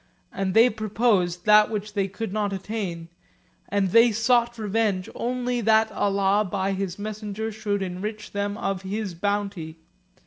And they purposed that which they could not attain, and they sought revenge only that Allah by His messenger should enrich them of His bounty.